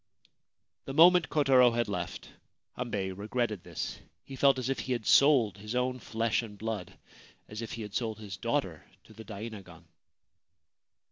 The moment Kotaro had left, Hambei regretted this. He felt as if he had sold his own flesh and blood — as if he had sold his daughter — to the dainagon.